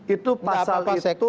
itu pasal itu